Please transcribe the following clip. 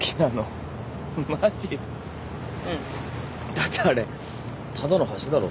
だってあれただの橋だろ？